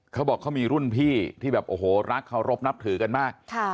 เขาบอกเขามีรุ่นพี่ที่แบบโอ้โหรักเคารพนับถือกันมาก